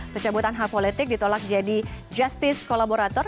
pecabutan hak politik ditolak jadi justice collaborator